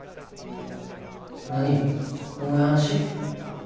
何重い話？